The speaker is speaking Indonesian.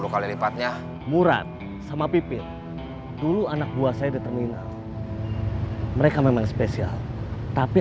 sepuluh kali lipatnya murad sama pipit dulu anak buah saya di terminal mereka memang spesial tapi